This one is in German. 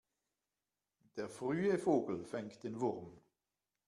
Der frühe Vogel fängt den Wurm.